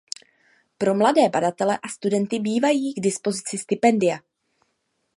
Pro mladé badatele a studenty bývají k dispozici stipendia.